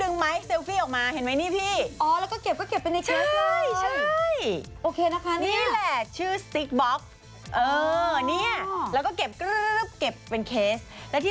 นี่เห็นมั้ยพี่